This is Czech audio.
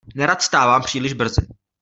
Nerad vstávám příliš brzy.